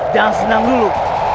jangan senang dulu